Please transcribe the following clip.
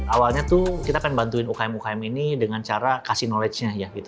awalnya kita ingin membantu ukm ukm ini dengan cara memberikan pengetahuan